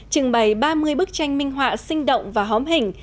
trưng bày ba mươi bức tranh minh họa sinh động và hóm hình